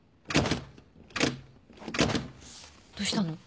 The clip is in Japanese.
どうしたの？